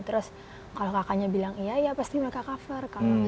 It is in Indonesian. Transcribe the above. terus kalau kakaknya bilang iya ya pasti mereka cover